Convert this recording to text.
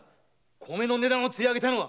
米の値段をつり上げたのは。